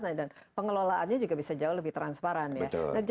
nah dan pengelolaannya juga bisa jauh lebih transparan ya